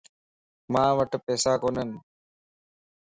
مان وٽ پيساڪونين